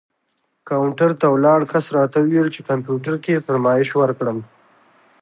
کاونټر ته ولاړ کس راته وویل چې کمپیوټر کې فرمایش ورکړم.